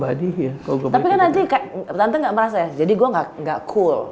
tapi kan nanti tante gak merasa ya jadi gue gak cool